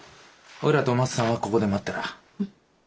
おいらとお松さんはここで待ってらあ。